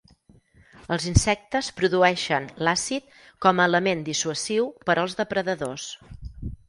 Els insectes produeixen l'àcid com a element dissuasiu per als depredadors.